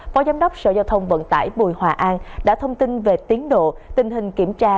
phó giám đốc sở giao thông vận tải bùi hòa an đã thông tin về tiến độ tình hình kiểm tra